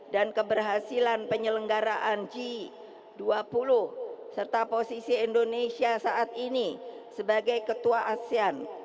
dan keberhasilan penyelenggaraan g dua puluh serta posisi indonesia saat ini sebagai ketua asean